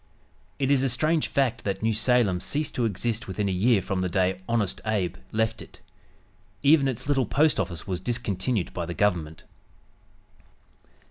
It is a strange fact that New Salem ceased to exist within a year from the day "Honest Abe" left it. Even its little post office was discontinued by the Government.